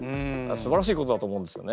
すばらしいことだと思うんですよね。